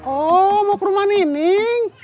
oh mau ke rumah nining